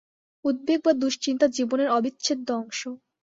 উদ্বেগ বা দুশ্চিন্তা জীবনের অবিচ্ছেদ্য অংশ।